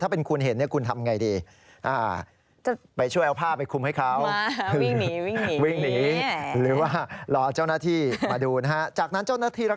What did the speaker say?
ถ้าเป็นคุณเห็นคุณทำอย่างไรดี